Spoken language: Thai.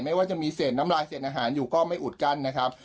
ไม่ว่าจะมีเสร็จน้ำลายเสร็จอาหารอยู่ก็ไม่อุดกั้นนะครับ